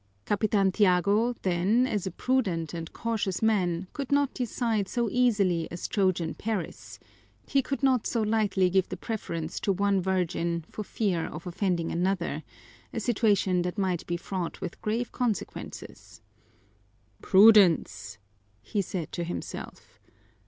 Capitan Tiago, then, as a prudent and cautious man, could not decide so easily as Trojan Paris he could not so lightly give the preference to one Virgin for fear of offending another, a situation that might be fraught with grave consequences. "Prudence!" he said to himself.